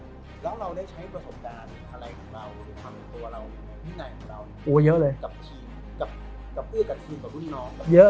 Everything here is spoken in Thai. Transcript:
แล้วเราได้ใช้ประสบการณ์อะไรของเรา